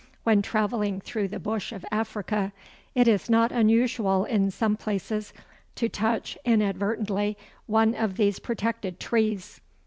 When travelling through the bush in Africa, it is not unusual in some places to touch inadvertently one of these protected trees.